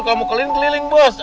kalau mau keliling keliling bos